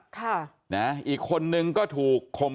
กลับไปลองกลับ